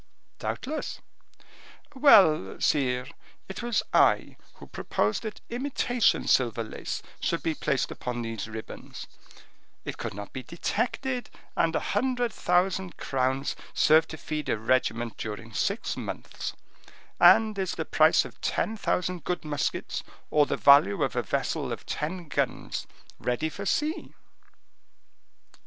"Doubtless." "Well, sire, it was I who proposed that imitation silver lace should be placed upon these ribbons; it could not be detected, and a hundred thousand crowns serve to feed a regiment during six months; and is the price of ten thousand good muskets or the value of a vessel of ten guns, ready for sea."